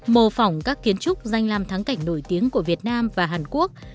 mô phỏng các kiến trúc danh làm thắng cảnh nổi tiếng của việt nam và hàn quốc